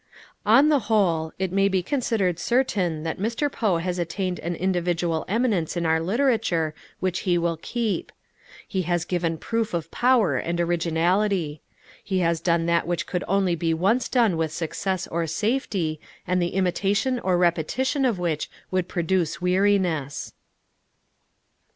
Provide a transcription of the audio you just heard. On the whole, it may be considered certain that Mr. Poe has attained an individual eminence in our literature which he will keep. He has given proof of power and originality. He has done that which could only be done once with success or safety, and the imitation or repetition of which would produce weariness.